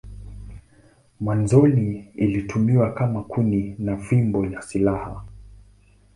Mwanzoni ilitumiwa kama kuni na fimbo ya silaha.